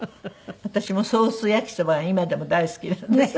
私もソース焼きそばが今でも大好きなんです。